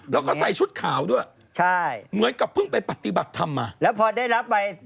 แล้วก็ใส่ชุดข่าวด้วยเหมือนกับเพิ่งไปปฏิบัติธรรมมา